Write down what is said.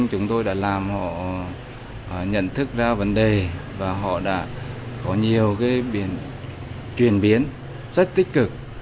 họ đã nhận thức ra vấn đề và họ đã có nhiều cái chuyển biến rất tích cực